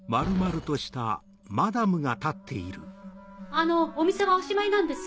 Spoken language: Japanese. あのお店はおしまいなんです。